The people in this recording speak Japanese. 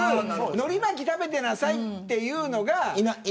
のり巻き食べてなさいっていうのが。